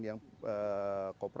baik dari semua segmen